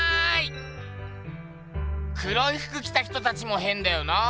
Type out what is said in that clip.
黒いふく着た人たちもへんだよな。